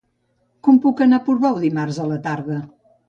Com puc anar a Portbou dimarts a la tarda?